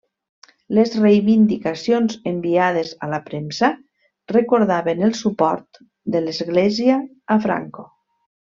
Les reivindicacions enviades a la premsa recordaven el suport de l'Església a Franco.